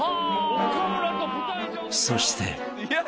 ［そして］